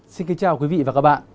xin kính chào quý vị và các bạn